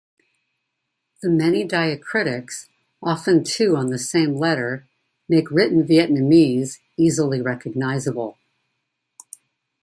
The many diacritics, often two on the same letter, make written Vietnamese easily recognizable.